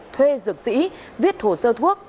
thuê dược sĩ viết hồ sơ thuốc